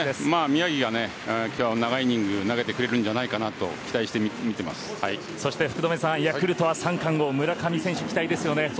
宮城が今日は長いイニングを投げてくれるんじゃないかなとそして福留さんヤクルトは三冠王、村上選手に期待ですよね。